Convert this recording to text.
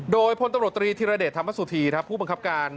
โดยพลตำรวจตรีธิรเดชธรรมสุธีผู้บังคับการ